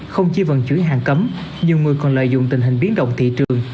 không chỉ vận chuyển hàng cấm nhiều người còn lợi dụng tình hình biến động thị trường